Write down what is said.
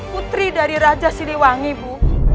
putri dari raja siliwangi bu